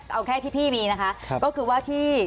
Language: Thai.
เอาแค่ที่พี่มีนะคะก็คือว่าที่